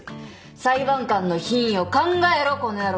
裁判官の品位を考えろこの野郎です。